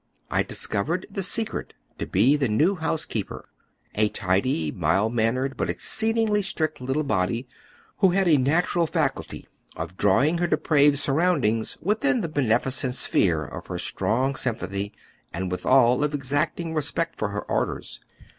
X discovered the secret to be the new house keeper, a tidy, miid maniiered, but exceedingly strict little body, who had a natural faculty of drawing her depraved surroundings within the beneficent sphere of her strong sympathy, and withal of exacting respect for her orders.